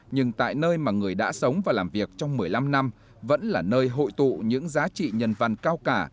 nhưng tại nơi mà người đã sống và làm việc trong một mươi năm năm vẫn là nơi hội tụ những giá trị nhân văn cao cả